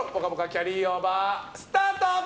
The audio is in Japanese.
キャリーオーバースタート！